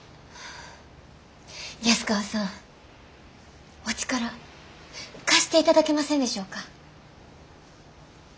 安川さんお力貸していただけませんでしょうか。